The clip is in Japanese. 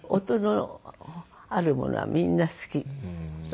音のあるものはみんな好き。